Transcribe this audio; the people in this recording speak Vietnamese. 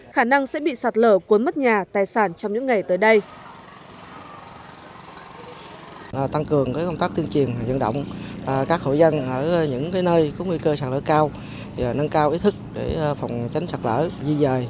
khả năng sẽ bị sạt lở cuốn mất nhà tài sản trong những ngày tới đây